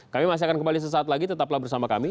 kami masih akan kembali sesaat lagi tetaplah bersama kami